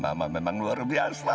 mama memang luar biasa